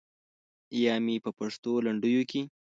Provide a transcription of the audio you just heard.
یا مې په پښتو لنډیو کې.